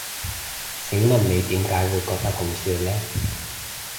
請問你點解會覺得好笑呢？